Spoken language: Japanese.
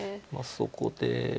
そこで。